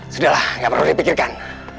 sudahlah gak perlu dipikirkan